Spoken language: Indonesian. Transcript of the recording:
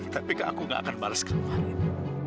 tapi aku gak akan balas kamu hari ini